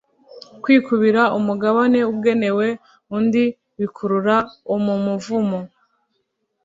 kwikubira umugabane ugenewe undi bikurura umumuvumo